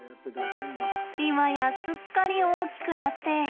今やすっかり大きくなって。